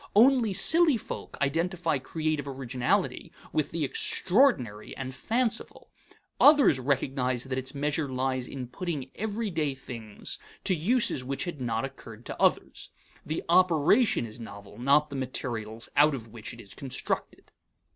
Only silly folk identify creative originality with the extraordinary and fanciful; others recognize that its measure lies in putting everyday things to uses which had not occurred to others. The operation is novel, not the materials out of which it is constructed.